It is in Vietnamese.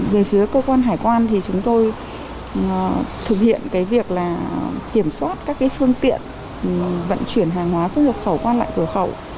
về phía cơ quan hải quan thì chúng tôi thực hiện việc kiểm soát các phương tiện vận chuyển hàng hóa xuất nhập khẩu qua lại cửa khẩu